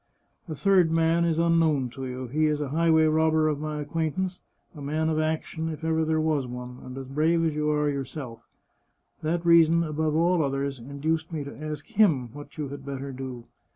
The third man is unknown to you ; he is a highway robber of my acquaintance, a man of action, if ever there was one, and as brave as you are yourself. That reason, above all others, induced me to ask him what you had better do.